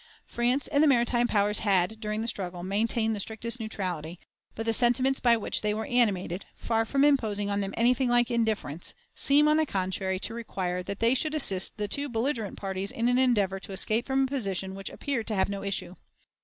France and the maritime powers had, during the struggle, maintained the strictest neutrality, but the sentiments by which they were animated, far from imposing on them anything like indifference, seem, on the contrary, to require that they should assist the two belligerent parties in an endeavor to escape from a position which appeared to have no issue.